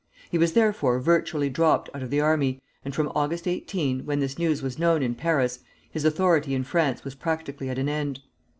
He was therefore virtually dropped out of the army, and from August 18, when this news was known in Paris, his authority in France was practically at an end.